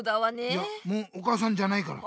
いやもうお母さんじゃないから。